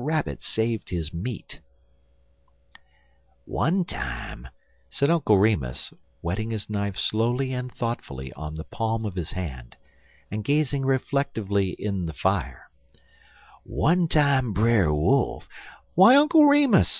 RABBIT SAVED HIS MEAT "ONE time," said Uncle Remus, whetting his knife slowly and thoughtfully on the palm of his hand, and gazing reflectively in the fire "one time Brer Wolf " "Why, Uncle Remus!"